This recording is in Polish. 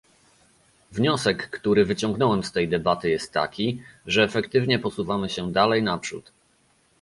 Wniosek, który wyciągnąłem z tej debaty jest taki, że efektywnie posuwamy się dalej naprzód